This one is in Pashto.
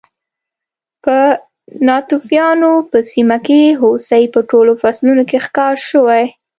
په ناتوفیانو په سیمه کې هوسۍ په ټولو فصلونو کې ښکار شوې